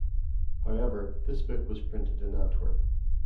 However this book was printed in Antwerp.